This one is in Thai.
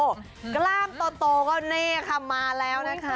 ตัวเนี่ยลา้มโตก็เนี่ยค่ะมาแล้วนะคะ